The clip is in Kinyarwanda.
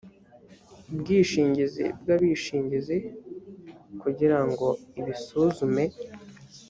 bwishingizi bw abishingizi kugira ngo ibisuzume